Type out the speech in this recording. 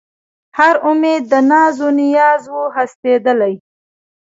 هر اُمید د ناز و نیاز و هستېدلی